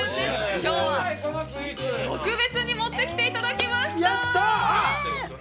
今日は特別に持ってきていただきました。